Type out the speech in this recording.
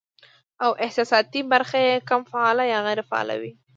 او احساساتي برخه ئې کم فعاله يا غېر فعاله وي